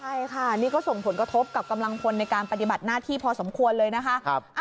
ใช่ค่ะนี่ก็ส่งผลกระทบกับกำลังพลในการปฏิบัติหน้าที่พอสมควรเลยนะคะ